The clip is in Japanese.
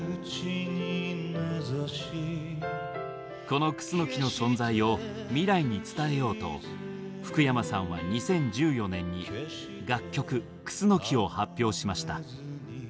このクスノキの存在を未来に伝えようと福山さんは２０１４年に楽曲「クスノキ」を発表しました。